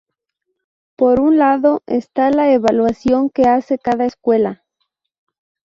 Por un lado está la evaluación que hace cada escuela.